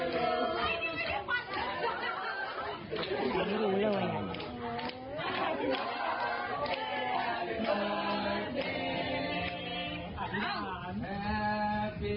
สวัสดีครับ